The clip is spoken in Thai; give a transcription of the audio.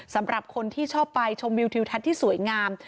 สำหรับคนที่ชอบไปชมวิวทิวทัศน์ที่สวยงาม